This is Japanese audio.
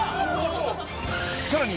さらに